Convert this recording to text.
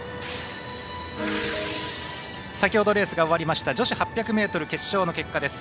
先ほどレースが終わった女子８００ｍ決勝の結果です。